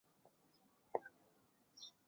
圣马塞昂缪拉人口变化图示